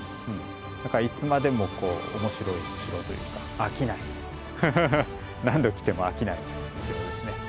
だからいつまでも面白い城というか飽きない何度来ても飽きない城ですね。